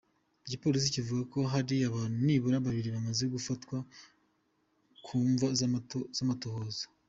Igipolisi kivuga ko hari abantu nibura babiri bamaze gufatwa ku mvo z'amatohoza.